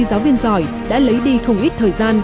giáo viên giỏi đã lấy đi không ít thời gian